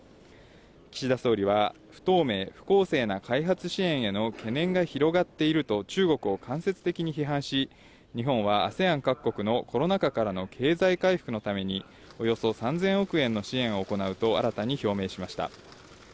岸田総理は、不透明・不公正な開発支援への懸念が広がっていると、中国を間接的に批判し、日本はＡＳＥＡＮ各国のコロナ禍からの経済回復のために、およそ３０００億円の支援を行うと新たに表明しました。